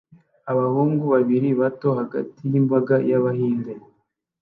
Abahungu babiri bato hagati y'imbaga y'Abahinde